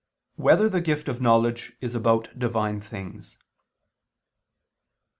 2] Whether the Gift of Knowledge Is About Divine Things?